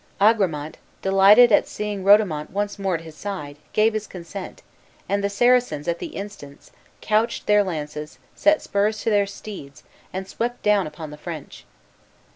Agramant, delighted at seeing Rodomont once more at his side, gave his consent, and the Saracens, at the instant, couched their lances, set spurs to their steeds, and swept down upon the French.